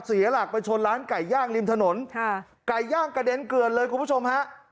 เสียหลักไปชนร้านไก่ย่างริมถนนค่ะไก่ย่างกระเด็นเกลือนเลยคุณผู้ชมฮะ